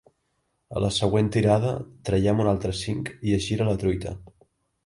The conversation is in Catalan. A la següent tirada, traiem un altre cinc i es gira la truita.